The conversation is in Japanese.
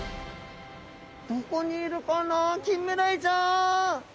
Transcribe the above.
どこにいるかなキンメダイちゃん！